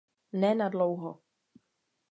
Ne na dlouho.